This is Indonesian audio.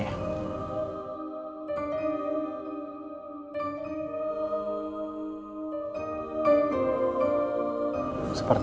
semua yang ini